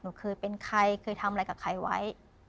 เคยเป็นใครเคยทำอะไรกับใครไว้